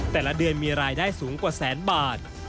แต่ละเดือนมีรายได้สูงกว่าแสนบาท